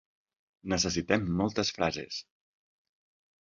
Necessitem moltes frases.